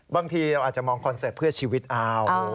บางทีเราอาจจะมองคอนเสิร์ตเพื่อชีวิตเอา